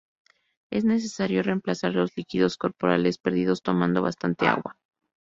Es necesario reemplazar los líquidos corporales perdidos tomando bastante agua.